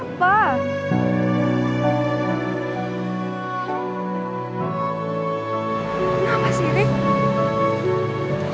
kenapa sih rik